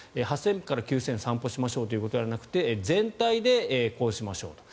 ８０００から９０００散歩しましょうということではなくて全体でこうしましょうと。